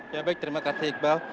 ya baik terima kasih iqbal